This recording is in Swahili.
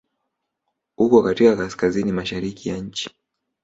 Uko katika Kaskazini mashariki ya nchi.